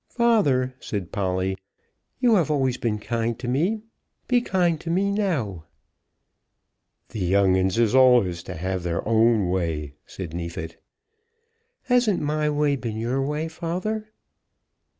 "Father," said Polly, "you have always been kind to me. Be kind to me now." "The young 'uns is always to have their own way," said Neefit. "Hasn't my way been your way, father?"